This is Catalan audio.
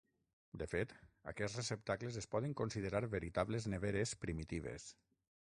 De fet, aquests receptacles es poden considerar veritables neveres primitives.